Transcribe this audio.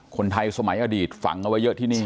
คนไทยสมัยอดีตฝังเอาไว้เยอะที่นี่